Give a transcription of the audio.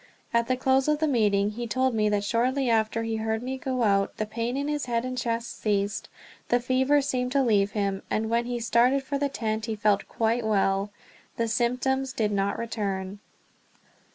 At the close of the meeting he told me that shortly after he heard me go out the pain in his head and chest ceased, the fever seemed to leave him, and when he started for the tent he felt quite well. The symptoms did not return.